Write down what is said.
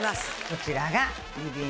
こちらが。